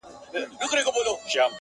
• سونډ راشنه سول دهقان و اوبدل تارونه -